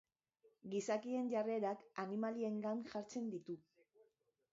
Gizakien jarrerak animaliengan jartzen ditu.